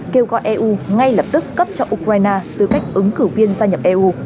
kêu gọi eu ngay lập tức cấp cho ukraine tư cách ứng cử viên gia nhập eu